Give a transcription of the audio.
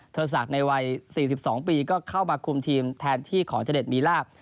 ศักดิ์ในวัย๔๒ปีก็เข้ามาคุมทีมแทนที่ของเจดมีลาบ